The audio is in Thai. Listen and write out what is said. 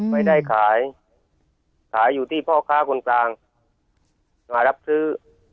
ไม่ได้ขายขายอยู่ที่พ่อค้าคนกลางมารับซื้อ